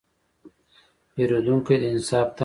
پیرودونکی د انصاف تمه لري.